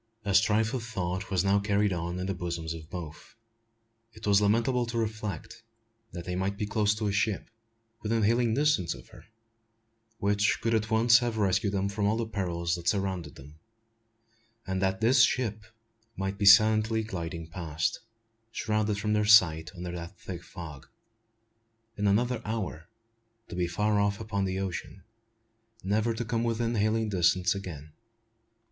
A strife of thought was now carried on in the bosoms of both. It was lamentable to reflect, that they might be close to a ship, within hailing distance of her, which could at once have rescued them from all the perils that surrounded them; and that this ship might be silently gliding past, shrouded from their sight under that thick fog, in another hour to be far off upon the ocean, never to come within hailing distance again!